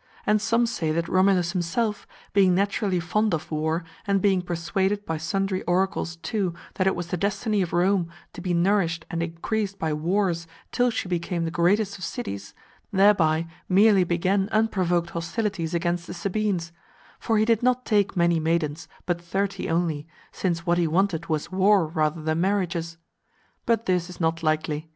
_ And some say that Romulus himself, being naturally fond of war, and being persuaded by sundry oracles, too, that it was the destiny of Rome to be nourished and increased by wars till she became the greatest of cities, thereby merely began unprovoked hostilities against the Sabines; for he did not take many maidens, but thirty only, since what he wanted was war rather than marriages. But this is not likely.